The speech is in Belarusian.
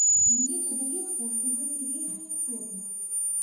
Мне падаецца, што гэты вельмі істотна.